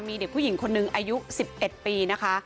มีเด็กผู้หญิงคนหนึ่งอายุ๑๑ปีนะคะ